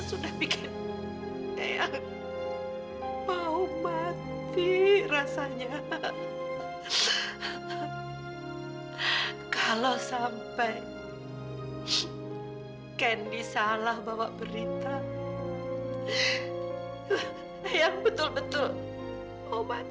sampai jumpa di video selanjutnya